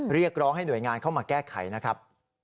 เรียกร้องให้หน่วยงานเข้ามาแก้ไขนะครับ